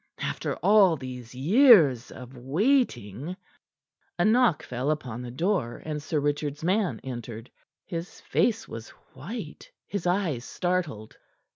After all these years of waiting." A knock fell upon the door, and Sir Richard's man entered. His face was white, his eyes startled.